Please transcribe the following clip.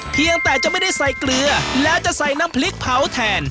เพียงแต่จะไม่ได้ใส่เกลือแล้วจะใส่น้ำพริกเผาแทน